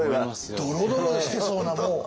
ドロドロしてそうなもう。